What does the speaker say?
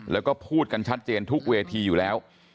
แล้วก็พูดกันชัดเจนทุกเวทีอยู่แล้ว